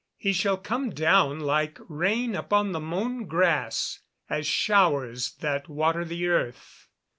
[Verse: "He shall come down like rain upon the mown grass, as showers that water the earth."